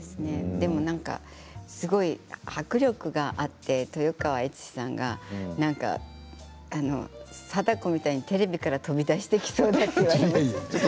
でも何か、迫力があって豊川悦司さんが貞子みたいにテレビから飛び出してきそうだって。